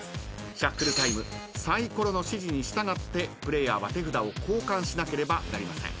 シャッフルタイムサイコロの指示に従ってプレイヤーは手札を交換しなければなりません。